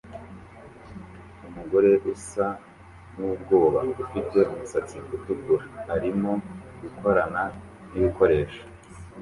Umugore usa nubwoba ufite umusatsi utukura arimo gukorana nibikoresho